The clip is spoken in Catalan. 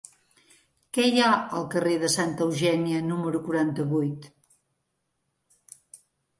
Què hi ha al carrer de Santa Eugènia número quaranta-vuit?